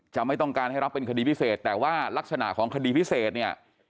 ไม่ต้องการให้รับเป็นคดีพิเศษแต่ว่ารักษณะของคดีพิเศษเนี่ย